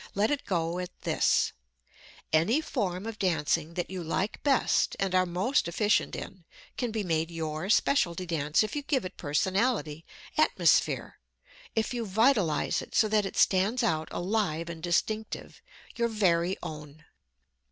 Let it go at this: Any form of dancing that you like best and are most efficient in can be made your specialty dance if you give it personality, atmosphere, if you vitalize it so that it stands out alive and distinctive your very own.